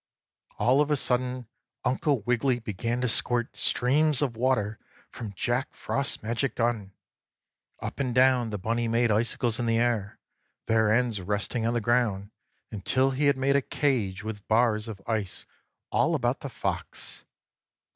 9. All of a sudden Uncle Wiggily began to squirt streams of water from Jack Frost's magic gun. Up and down the bunny made icicles in the air, their ends resting on the ground, until he had made a cage with bars of ice all about the Fox.